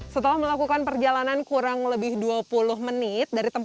setelah melakukan perjalanan kurang lebih dua puluh menit